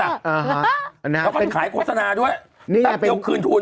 แล้วก็ขายโฆษณาด้วยตามยกคืนทุน